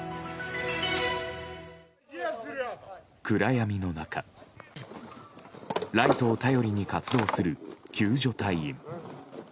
暗闇の中ライトを頼りに活動する救助隊員。